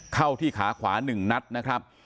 เข้าที่ขาขวา๑นัดนะครับ